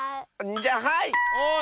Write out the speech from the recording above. じゃあはい！